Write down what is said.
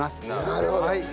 なるほど。